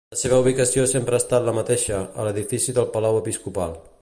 La seva ubicació sempre ha estat la mateixa, a l'edifici del palau episcopal.